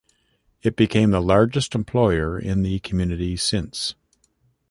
It became the largest employer in the community since.